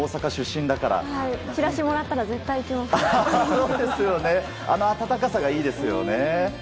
チラシもらったらあの温かさがいいですよね。